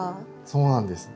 そうなんです。